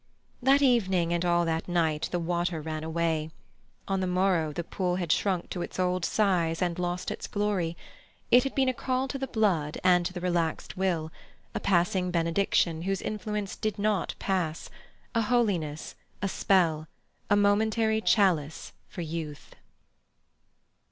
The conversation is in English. That evening and all that night the water ran away. On the morrow the pool had shrunk to its old size and lost its glory. It had been a call to the blood and to the relaxed will, a passing benediction whose influence did not pass, a holiness, a spell, a momentary chalice for youth.